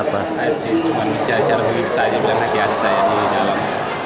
tadi cuma menjajah dia bilang lagi ada saya di dalam